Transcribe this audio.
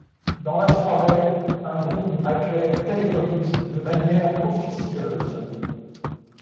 Dans la soirée, un groupe a créé Telecomix de manière officieuse.